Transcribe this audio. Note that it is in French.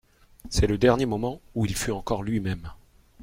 C'est le dernier moment où il fut encore lui-même.